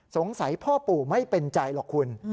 สงสัยพ่อปู่ไม่เป็นใจหรอกคุณ